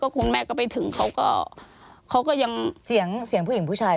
คุณแม่ก็ไปถึงเขาก็เขาก็ยังเสียงเสียงผู้หญิงผู้ชาย